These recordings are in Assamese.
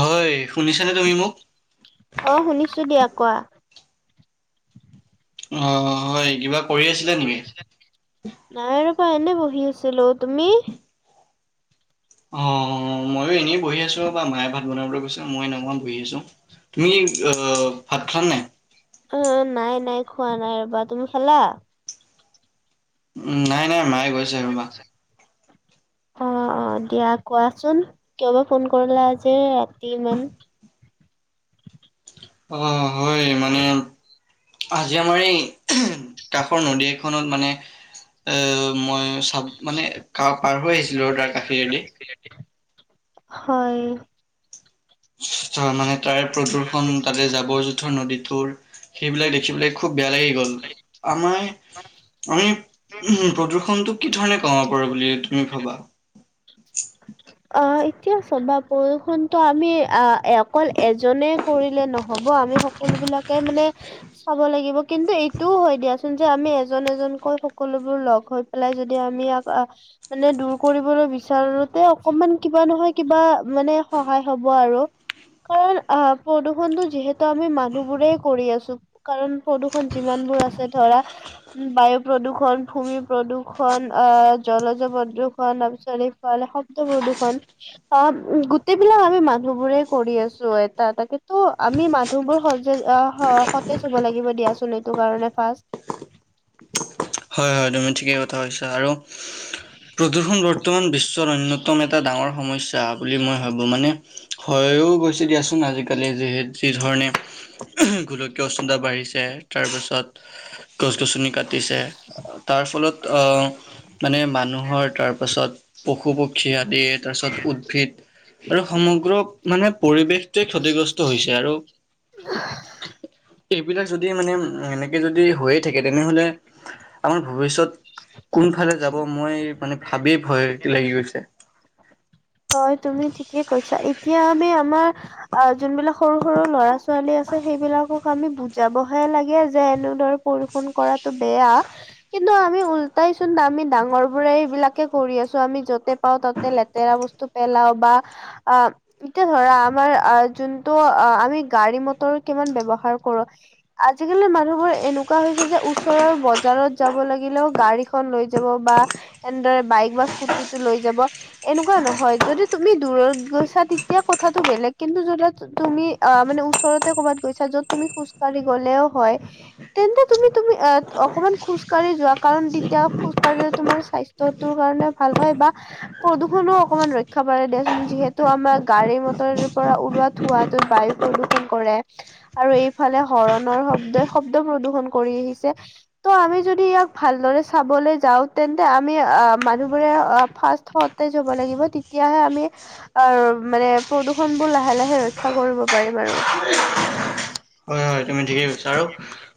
হয় শুনিছানে তুমি মোক অ শুনিছো দিয়া কোৱা আহ হয় কিবা কৰি আছিলে নেকি নাই ৰবা এনে বহি আছিলো তুমি অ মইো এনেই বহি আছো বা মায়ে ভাত বনাবলৈ কৈছে মই নহওঁ বহি আছো তুমি আহ ভাত খা নাই অ নাই নাই খোৱা নাই ৰবা তুমি খেলা উম নাই নাই মায়ে গৈছে আৰুমা উ অ অ দিয়া কোৱাচোন কিয়ব ফোন কৰিলা আজি ৰাতি মমান অ হয় মানে আজি আমাৰ এই কাষৰ নদী এখনত মানে এ মই চাব মানে পাৰ হৈ আহিছিলো ৰ তাৰ কাষীৰেদি হয় মানে তাৰ প্ৰদূ্ষন তাতে জাবৰ জোঁথৰ নদীটোৰ সেইবিলাক দেখি পেলাই খুব বেয়া লাগি গ'ল আমাৰ আমি উ প্ৰ ফোনটো কি ধৰণে কমাব প বুলি তুমি ভবা অ এতিয়া সভা প্ৰদূষণ টো আমি আহ অকল এজনে কৰিলে নহয় হ'ব আমি সকলো বিলাকে মানে চাব লাগিব কিন্তু এইটোও হয় দিয়া যে আমি এজন এজনকৈ সকলোবোৰ লগ হৈ পেলাই যদি আমি মানে দূৰ কৰিবলৈ বিচাৰোতে অকমান কিবা নহয় কিবা মানে সহায় হ'ব আৰু কাৰণ আহ প্ৰদূৰণটো যিহেতু আমি মানুহ বোৰে কৰি আছো কাৰণ প্ৰদূৰণ যিমান আছে ধৰা বায়ু প্ৰদূৰষণ ভূমি প্ৰদূৰ্ষণ আহ জলূ [unintelligible] প্ৰদূৰ্ষণ অ গোটেইবিলাক আমি মানুহ বোৰে কৰি আছো এটা এটাকে আমি মানুহবোৰ সজ সতেজ হ'ব লাগিব দিয়াচোন এইটো কাৰণে ফাৰ্ষ হয় হয় তুমি ঠিকেই কথা কৈছা আৰু প্ৰদূষণ বৰ্তমান বিশ্বৰ অন্যতম এটা ডাঙৰ সমস্যা বুলি মই ভাবো মানে হয়ো গৈছে দিয়াচোন আজিকালি যিহেতু যিধৰণে গোলকীয় উষ্ণতা বাঢ়িছে তাৰপিছত গছ গছনি কাটিছে তাৰ ফলত আহ মানে মানুহৰ তাৰ পাছত পশু পক্ষী আদি তাৰপাছত উদ্ভিদ আৰু সমগ্ৰ মানে পৰিৱেশ অ ক্ষতিগ্ৰস্ত হৈছে আৰু এইবিলাক যদি মানে এনেকৈ যদি হৈয়ে থাকে তেনেহ'লে আমাৰ ভৱিষ্যত কোনফালে যাব মই মানে ভাবিয়ৈ ভয় লাগি গৈছে হয় তুমি ঠিকে কৈছা এতিয়ামি আমাৰ যোনবিলাক সৰু সৰু ল'ৰা ছোৱালী আছে সেইবিলাক আমি বুজাব লাগে যে এনেদৰে [unintelligible] কৰাটো বেয়া ন্তু আমি উলটাই চোন আমি ডাঙৰ বোৰে এইবিলাকে কৰি আছো আমি যতে পাও ততে লেতেৰা বস্তু পেলাও বা অ এতিয়া ধৰা আমাৰ আহ যোনটো অ আমি গাড়ী মটৰ কিমান ব্যৱহাৰ কৰ আজিকালি মানুহবোৰ এনেকুৱা হৈছে যে ওচৰৰ বজাৰত যাব লাগে লেও গাড়ীখন লৈ যাব বা এনেদৰে বাইক বা স্কুটি টো লৈ যাব এনেকুৱা নহয় হয় যদি তুমি দূৰত গৈছা তেতিয়া কথাটো বেলেগ কিন্তু য তুমি অ মানে ওচৰতে [unintelligible] গৈছা য'ত তুমি খোজকাঢ় গ'লেও হয় তেন্তে তুমি তুমি এ অকনমান খোজ কাঢ়ি যোৱা কাৰণ তেতিয়া খোজ কঢ়িলে তোমাৰ স্বাস্থ্যয় তৰ কাৰণে ভাল হয় বা প্ৰদূষণো অকণমান ৰক্ষা পাৰে দিয়াচোন যিহেতু আমাৰ গাড়ী মটৰ পৰা ওলোৱা থোৱাতো বায়ু প্ৰদূষণ কৰে আৰু এইফালে হৰণৰ শব্দ শব্দ প্ৰদূ্ষন কৰি আহিছে ত' আমি যদি ইয়াক ভালদৰে চাবলৈ যাওঁ তেন্তে আমি অ মানুহবোৰে ফাৰ্ষ্ হওঁতে যাব লাগিব তেতিয়াহে আমি আহ মানে প্ৰদূষন বোৰ লাহে লাহে ৰক্ষা কৰিব পাৰিম আৰু হয় হয় তুমি ঠিকেই কৈছা আৰু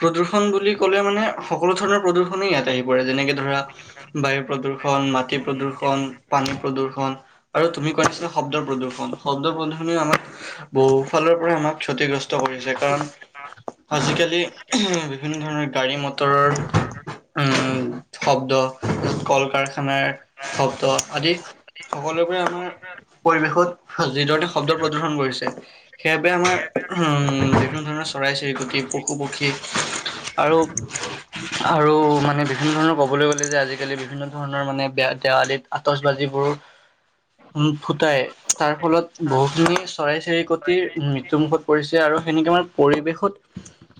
প্ৰদূৰণ বুলি ক'লে মানে সকলো ধৰণৰ প্ৰদূৰণ ইয়াত আহিব যেনেকে ধৰা বায়ু প্ৰদূৰ্ষন মাটি প্ৰদূৰ্ষন পানী প্ৰদূৰ্ষন আৰু তুমি কোৱা আছিলা শব্দ প্ৰদূ্ষন শব্দ প্ৰদূষণে আমাৰ বহু ফালৰ পৰা আমাক ক্ষতিগ্ৰস্ত কৰিছে কাৰণ আজি কালি বিভিন্ন ধৰণৰ গাড়ী মটৰৰ উম শব্দ কল কাৰখানাৰ শব্দ আদি সকলোবোৰে আমাৰ পৰিৱেশত যিধৰণ শব্দ প্ৰদৰ্শন কৰিছে সেইবাবে আমাৰ উম বিভিন্ন ধৰণৰ চৰাই চিৰিকটি পশু পক্ষী আৰু আৰু মানে বিভিন্ন ধৰণৰ ক'বলৈ গ'লে যে আজিকালি বিভিন্ন ধৰণৰ মানে বেয়া দেৱ আদিত আতচবাজিবোৰ উ ফুটাই তাৰ ফলত বহুখিনি চৰাই চিৰিইকটিৰ মৃত্যুমুখত পৰিছে আৰু আৰু সেনেকৈ মই পৰিৱেশত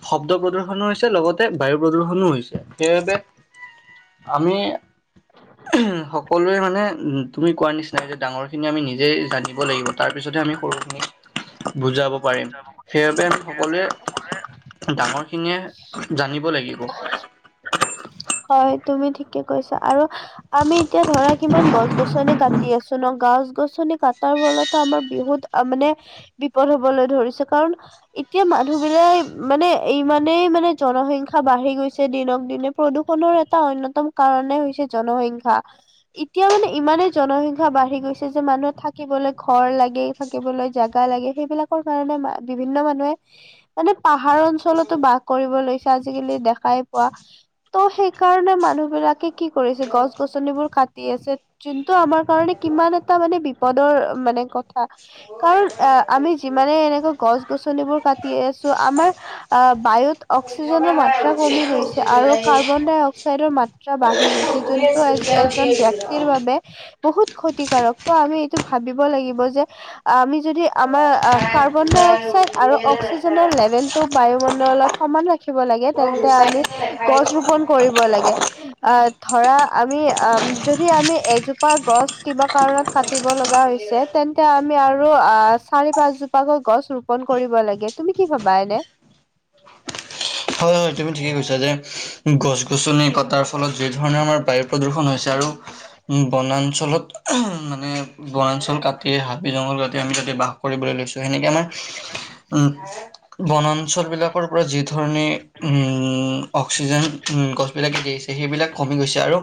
শব্দ প্ৰদূ্ষনো হৈছে লগতে বায়ু প্ৰদূ্ষনো হৈছে সেইবাবে আমি উম সকলো মানে মান উ তুমি কোৱাৰ নিচিনা ডাঙৰ খিনি আমি নিজে জানিব লাগিব তাৰ পিছতহে আমি সৰুখিনি বুজাব পাৰিম সেইবাবে আমি সকলোৱে ডাঙৰ খিনিয়ে জানিব লাগি [unintelligible] হয় তুমি ঠিকে কৈছা আৰু আমি এতিয়া ধৰা কিমান গছ গছনি কাটি আছো ন' গছ গছনি কাটাৰ ফলতে আমাৰ বিহুত মানে বিপদ হবলৈ ধৰিছে কাৰণ এতিয়া মানুহবিলাক মানে ইমানেই মানে জনসংখ্যা বাঢ়ি গৈছে দিনক দিনে প্ৰদূষণৰ এটা অন্যতম কাৰণে হৈছে জনসংখ্যা, এতিয়া মানে ইমানেই জনসংখ্যা বাঢ়ি গৈছে যে মানুহে থাকিবলৈ ঘৰ লাগে, থাকিবলৈ জোগা লাগে সেইবিলাকৰ কাৰণে বিভিন্ন মানুহে, মানে পাহাৰ অঞ্চলতো বাস কৰিব লৈছে আজিকালি দেখাই পোৱা। ত' সেই কাৰণে মানুহ বিলাকে কি কৰিছে গছ গছনিবোৰ কাটি আছে, যোনটো আমাৰ কাৰণে কিমান এটা মানে বিপদৰ মানে কথা, কাৰণ অ', আমি যিমানে এনেকা গছ গছ [unintelligible] কাটি আছো আমাৰ অ', বায়ুত শুই থকা অক্সিজেনৰ নাই মাত্ৰা উঠি কমি গৈছে। আৰু [unintelligible] [unintelligible] অক্সাইডৰ মাত্ৰা বাঢ়ি গৈছে, শুই যোনটো আছিলোঁ এতিয়া উঠি এজন আহিছিলোঁ ব্যক্তিৰ অ'। বাবে বহুত ক্ষতিকাৰক। ত', আমি এইটো ভাবিব লাগিব যে, আমি যদি অ' আমাৰ খাই কাৰ্বন ডাই অক্সাইদ আৰু শুলে নে অক্সিজেনৰ নাখায় লেভেলটো বায়ুমণ্ডলত সমান ৰাখিব লাগে, মই তেন্তে গুচাই আমি দিলে নাখায় গছ অ'। ৰোপন কৰিব লাগে। অ', ধৰা আমি যদি আমি এজোপা গছ কিবা কাৰণত কাটিব লগা হৈছে, তেন্তে আমি আৰু আহ, চাৰি পাছজুপাকৈ গছ বন্ধ কৰিব লাগে। তুমি কি ভাবা এনে? হয়। হয় তুমি ঠিকেই কৈছে যে গছ গছনি কটাৰ তাৰ ফলত যি ধৰণৰ আমাৰ বায়ু প্ৰদূষণ হৈছে আৰু বনাঞ্চলত মানে বনাঞ্চল কাটি হাবি জংঘল কাটি আমি তাতে বাস কৰিবলৈ লৈছোঁ সেনেকে আমাৰ উম, বনাঞ্চল বিলাকৰ পৰা যি ধৰণে উম। অক্সিজেন গছবিলাকে দিছে। সেইবিলাক কমি গৈছে আৰু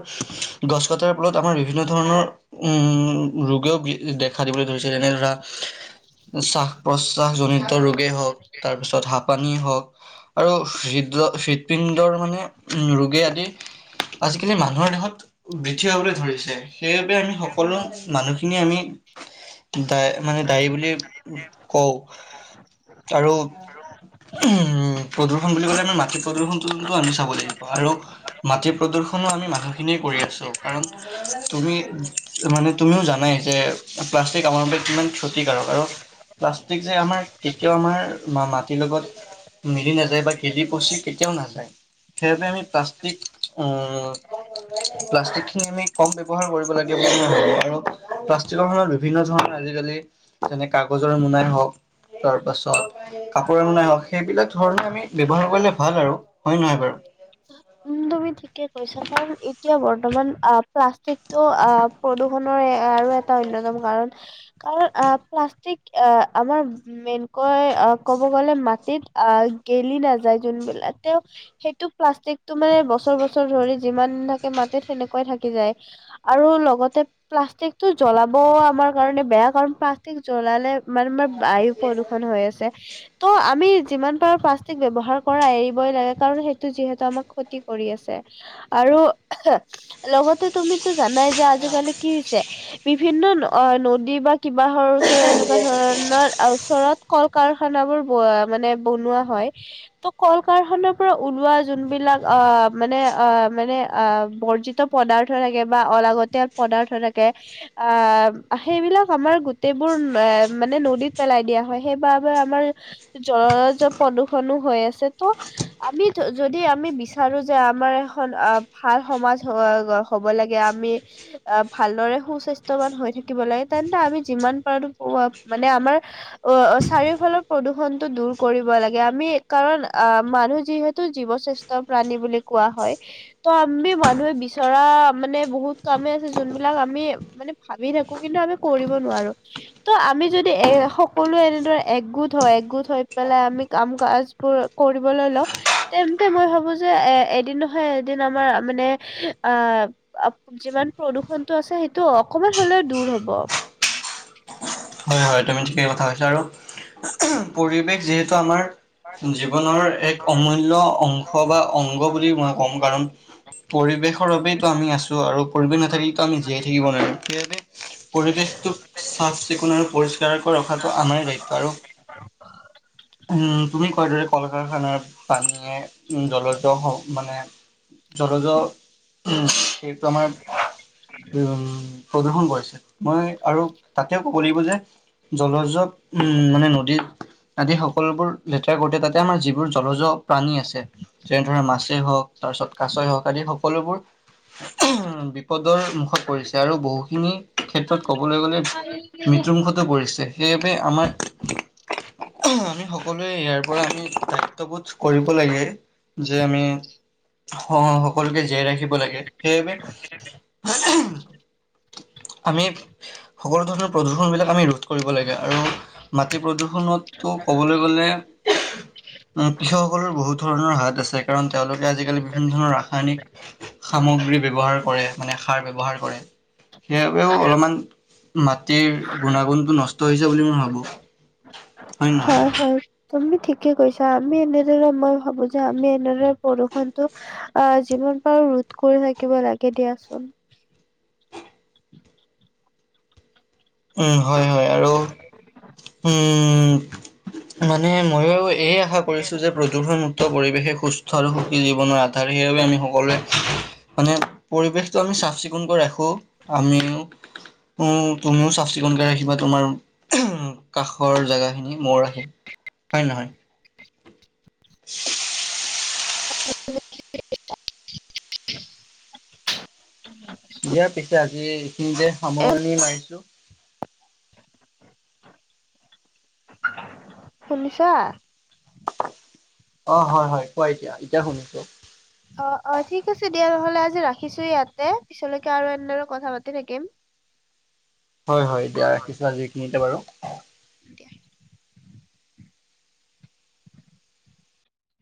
গছ কটাৰ ফলত আমাৰ বিভিন্ন ধৰণৰ উম, ৰোগেও দেখা দিবলৈ ধৰিছে যেনে ধৰা চাহ প্ৰশ্বাসজনিত ৰোগেই হওঁক। তাৰপিছত হাঁফপানী হওঁক আৰু হৃদৃ পিণ্ডৰ মানে ৰোগী আদি। আজিকালি মানুহৰ দেহত বৃদ্ধি হ'বলৈ ধৰিছে। সেইবাবে আমি সকলো মানুহ খিনি আমি ডা মানে ডাড়ি বুলি কওঁ। আৰু উম, প্ৰদূষণ বুলি ক'লে আমি মাটি প্ৰদূষণ টো আমি চাব লাগিব আৰু মাটি প্ৰদূ্ষনো আমি মানুহখিনিয়ে কৰি আছোঁ। কাৰণ তুমি মানে তুমিও জানাই যে প্লাষ্টিক আমাৰ বাবে কিমান ক্ষতিকাৰক আৰু প্লাষ্টিক যে আমাৰ কেতিয়াও আমাৰ মাটিৰ লগত মিলি নাযায় বা কেজি পচি কেতিয়াও নাযায়। সেইবাবে আমি প্লাষ্টিক প্লাষ্টিক খিনি আমি কম ব্যৱহাৰ কৰিব লাগে। আৰু প্লাষ্টিকৰ ধৰ বিভিন্ন ধৰণৰ আজিকালি যেনে কাগজৰ মোনাই হওঁক। তাৰপাছত কাপোৰে বনাই হওঁক। সেইবিলাক ধৰণে আমি ব্যৱহাৰ কৰিলে। ভাল আৰু হয়, নহয় বাৰু? কিয়, বৰ্তমান আ, প্লাষ্টিকটো আ, প্ৰদূ আৰু এটা অন্যতম কাৰণ, কাৰণ আ, প্লাষ্টিক আ, আমাৰ [unintelligible] কৈ অ', ক'ব গ'লে মাটিত অ', গেলি নাযায়, যোনবিলাক তে সেইটো প্লাষ্টিক টো, মানে [unintelligible] বছৰ, বছৰ ধৰি যিমান থাকে মাটিত সেনেকৈ থাকি যায়, আৰু লগতে প্লাষ্টিকটো য জ্বলাবও আমাৰ কাৰণে বেয়া, কাৰণ প্লাষ্টিক জ্বলালে মান-মানে বায়ু প্ৰদূষন হৈ আছে। ত' আমি যিমান পাৰোঁ, প্লাষ্টিক ব্যৱহাৰ কৰা এৰিবই লাগে কাৰণ, সেইটো যিহেতু আমাক ক্ষতি কৰি আছে, আৰু লগতে তুমিতো জানাই যে, আজিকালি কি হৈছে? বিভিন্ন অ', নদী বা কিবাহৰৰ ওচৰত এনেকুৱা ধৰণৰ আ, ওচৰত কল কাৰখানা [unintelligible] মানে বনোৱা হয়, ত' কল কাৰখাৰ পৰা ওলোৱা যোনবিলাক অ মানে অ মানে অ বৰ্জিত পদাৰ্থ থাকে বা অলাগতীয়াল পদাৰ্থ থাকে এ আ সেইবিলাক আমাৰ গোটেইবোৰ এ মানে নদীত পেলাই দিয়া হয়, সেইবা আমাৰ জ জ প্ৰদূষণো হৈ আছে ত আমি যদি আমি বিছ বিচাৰো যে আমাৰ এখন অ ভাল সমাজ হব লাগে আমি আহ ভালদৰে সু স্বাস্থৱান হৈ থাকিব লাগে তেন্তে আমি যিমান পাৰো মানে আমাৰ অ চাৰিও ফালৰ প্ৰদূষণটো দূৰ কৰিব লাগে আমি কাৰণ আহ মানুহ যিহেতু জীৱ শ্ৰেষ্ঠ প্ৰাণী বুলি কোৱা হয়, ত আমি মানুহে বিচৰা মানে বহুত কামে আছে যোনবিলাক আ আমি মানে ভাবি থাকো কিন্তু আমি কৰিব নোৱাৰো, ত' আমি যদি এ সকলো এনেদৰে একগোট হৈ একগোট হৈ পেলাই আমি কাম কাজবোৰ কৰিবলৈ লওঁ তেন্তে মই ভাবো যে এ এদিন নহয় এদিন আমাৰ মানে আ আপ যিমান প্ৰদূষণটো আছে সেইটো অকমান হলেও দূৰ হব। হয় হয় তুমি ঠিকেই কথা কৈছা, আৰু পৰিৱেশ যিহেতু আমাৰ জীৱনৰ এক অমূল্য অংশ বা অংগ বুলি মই কম কাৰণ পৰিৱেশ বাবেইটো আমি আছোঁ আৰু পৰিৱেশ নাথাকিলেটো আমি জীয়াই থাকিব নোৱাৰিম, সেইবাবে পৰিৱেশটোক চাচ চিকুণ আৰু পৰিষ্কাৰক ৰখাটো আমাৰে দায়িত্ব আৰু উম তুমি কোৱা দৰে কল কাৰ খানাৰ পানীয়ে জলজ স মানে জলজ [unintelligible] সেইটো আমাৰ উ উ প্ৰদূষণ কৰিছে মই আৰু তা এতিয়াও কৰিব যে জলজ উম মানে নদীত আদি সকলোবোৰ লেতেৰা কৰোতে তাতে আমাৰ যিবোৰ জলজ প্ৰাণী আছে যেনে ধৰে মাছেই হওঁক তাৰ পিছত কাছৈ হওঁক আদি সকলোবোৰ উ বিপদৰ মুখত পৰিছে আৰু বহুখিনি ক্ষেত্ৰত কবলৈ গ'লে মৃত্যুমুখতো পৰিছে সেইবাবে আমাৰ আমি সকলোৱে ইয়াৰ পৰা আমি দায়িত্ববোধ কৰিব লাগে। যে আমি সকলোকে জীয়াই ৰাখিব লাগে। সেইবাবে আমি সকলো ধৰণৰ প্ৰদূষণ বিলাক আমি ৰোধ কৰিব লাগে আৰু মাটি প্ৰদূষণতটো ক'বলৈ গ'লে কৃষকসকলৰ বহুত ধৰণৰ হাত আছে কাৰণ তেওঁলোকে আজিকালি বিভিন্ন ধৰণৰ ৰাসায়নিক সামগ্ৰী ব্যৱহাৰ কৰে মানে, সাৰ ব্যৱহাৰ কৰে। সেইাবেও অলপমান মাত গুণাগুণটো নষ্ট হৈছে বুলি মই ভাবো। নে নহয় হয় হয়। তুমি ঠিকে কৈছা আমি এনেদৰে মই ভাবো যে আমি এনেদৰে বৰষুনটো আহ জীৱন পাৰ ৰোধ কৰি থাকিব লাগে দিয়াচোন। [inaudible] উ হয় হয় আৰু মানে ময়ো এয়ে আশা কৰিছো যে প্ৰদূষণমুক্ত পৰিৱেশে সুস্থ আৰু সুখী জীৱনৰ আধাৰ সেইবাবে আমি সকলোৱে মানে পৰিৱেশটো আমি চাফ চিকুণকৈ ৰাখো, আমিও উম। তুমি চাফ চিকুণকে ৰাখিবা তোমাৰ কাষৰ জেগাখিনি, মইও ৰাখিম হয় নহয়। [unintelligible] দিয়াৰ পিছে আজি এইখিনিতে এ সামৰণি মাৰিছো। শুনিছাঁ। অ', হয় হয় কোৱা এতিয়া এতিয়া শুনিছো। অ', অ', ঠিক আছে দিয়া নহ'লে আজি ৰাখিছো ইয়াতে পিছলৈকে আৰু এনেৰে কথা পাতি থাকিম। হয় হয় দিয়া ৰাখিছো আজি এইখিনিতে বাৰু। এতিয়া